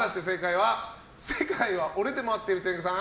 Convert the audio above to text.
世界は俺で回っている天狗さん